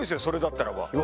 それだったらば。